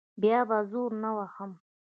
بیا به زور نه وهم.